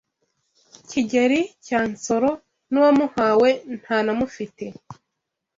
Kigeli cya Nsoro n’uwamuhawe ntanamufite